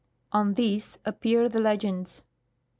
On this appear the legends :" I.